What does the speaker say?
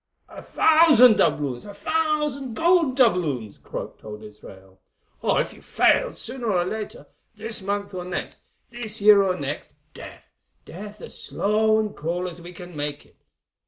"A thousand doubloons!—a thousand gold doubloons!" croaked old Israel, "or if you fail, sooner or later, this month or next, this year or next, death—death as slow and cruel as we can make it.